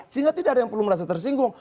sehingga tidak ada yang perlu merasa tersinggung